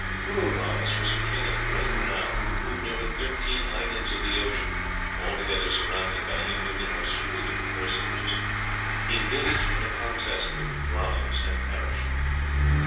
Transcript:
Pururavas was a king of great renown, who ruled over thirteen islands of the ocean, altogether surrounded by inhuman (or superhuman) personages; he engaged in a contest with Brahmans, and perished.